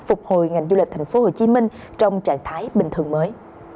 phục hồi ngành du lịch tp hcm trong trạng thái bình thường mới